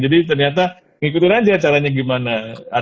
jadi ternyata ikutin aja caranya gimana